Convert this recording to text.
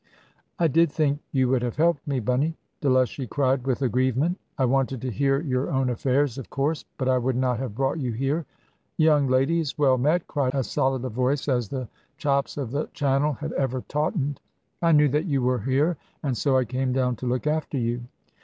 "I did think you would have helped me, Bunny," Delushy cried, with aggrievement. "I wanted to hear your own affairs, of course; but I would not have brought you here " "Young ladies, well met!" cried as solid a voice as the chops of the Channel had ever tautened: "I knew that you were here, and so I came down to look after you."